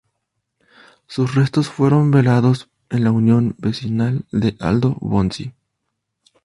Sus restos fueron velados en la Unión vecinal de Aldo Bonzi.